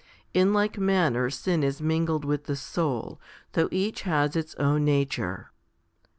In like manner sin is mingled with the soul, though each has its own nature.